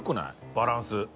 バランス。